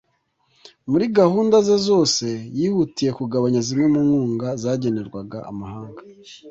muri gahunda ze zose yihutiye kugabanya zimwe mu nkunga zagenerwaga amahanga